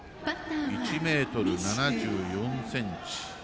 １ｍ７４ｃｍ。